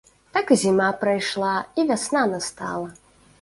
Так і зіма прайшла, і вясна настала.